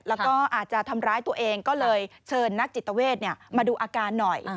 แล้วก็อาจจะทำร้ายตัวเองก็เลยเชิญนักจิตเวทมาดูอาการหน่อย